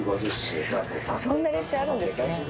そんな列車あるんですね。